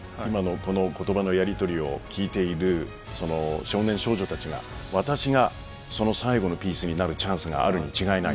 この言葉のやりとりを聞いている少年少女たちが私がその最後のピースになるチャンスがあるに違いない。